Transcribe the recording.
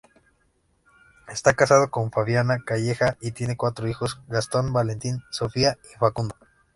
Está casado con Fabiana Calleja y tiene cuatro hijos: Gastón, Valentín, Sofía y Facundo.